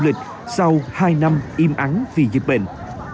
với thành phố du lịch sau hai năm im ắn vì dịch bệnh